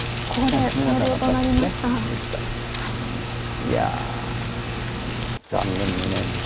いや残念無念です